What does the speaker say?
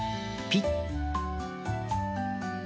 ピッ！